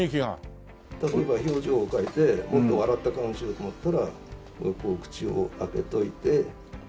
例えば表情を描いてもっと笑った顔にしようと思ったらこう口を開けておいて。